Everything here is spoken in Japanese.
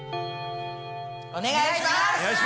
お願いします！